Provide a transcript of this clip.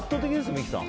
三木さん。